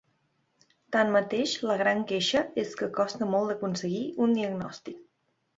Tanmateix, la gran queixa és que costa molt d’aconseguir un diagnòstic.